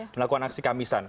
melakukan aksi kamisan